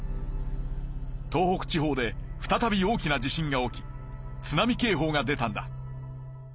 東北地方でふたたび大きな地震が起き津波警報が出たんだ。